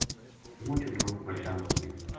مچ لوک بَٹلا ہو گیا